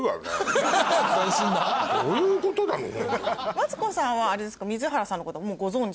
マツコさんはあれですか。